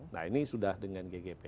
nah ini sudah dengan ggp